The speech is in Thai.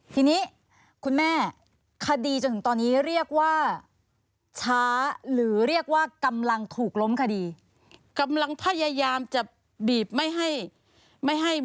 ทีนี้คุณแม่คดีจนตอนนี้เรียกว่าช้า